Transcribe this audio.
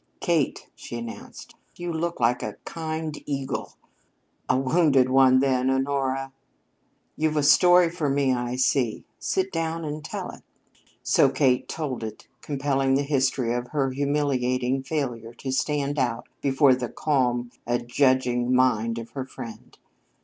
"Kate," she announced, "you look like a kind eagle." "A wounded one, then, Honora." "You've a story for me, I see. Sit down and tell it." So Kate told it, compelling the history of her humiliating failure to stand out before the calm, adjudging mind of her friend.